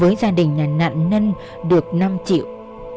với gia đình nạn nhân được năm triệu